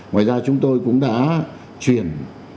ngoài ra chúng tôi cũng đã chuyển